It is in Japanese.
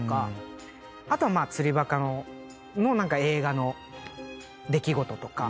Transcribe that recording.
あとはまあ『釣りバカ』の映画の出来事とか。